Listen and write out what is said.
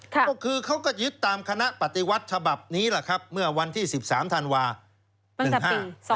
ก็คือเขาก็ยึดตามคณะปฏิวัติฉบับนี้แหละครับเมื่อวันที่สิบสามธันวา๑๕๓